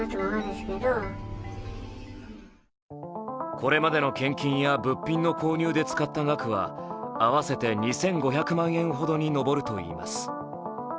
これまでの献金や物品の購入で使った額は合わせて２５００万円ほどに上るといいます。